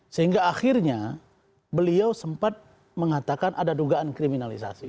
sehingga akhirnya beliau sempat mengatakan ada dugaan kriminalisasi